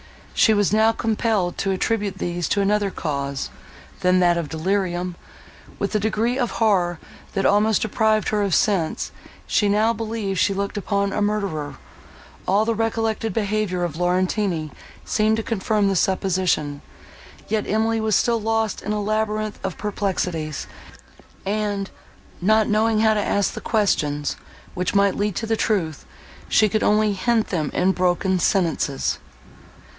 She was now compelled to attribute these to another cause, than that of delirium. With a degree of horror, that almost deprived her of sense, she now believed she looked upon a murderer; all the recollected behaviour of Laurentini seemed to confirm the supposition, yet Emily was still lost in a labyrinth of perplexities, and, not knowing how to ask the questions, which might lead to truth, she could only hint them in broken sentences.